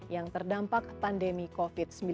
yang terdampak pandemi covid sembilan belas